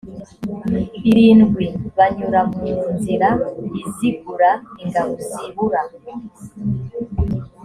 irindwi banyura mu nzira izigura ingabo zibura